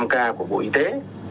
năm k của bộ y tế